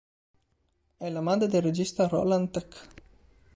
È la madre del regista Roland Tec.